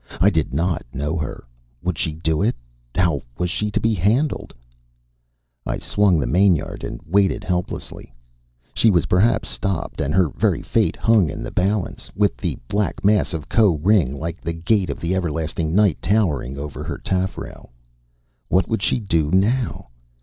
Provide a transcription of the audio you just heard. I did not know her. Would she do it? How was she to be handled? I swung the mainyard and waited helplessly. She was perhaps stopped, and her very fate hung in the balance, with the black mass of Koh ring like the gate of the everlasting night towering over her taffrail. What would she do now?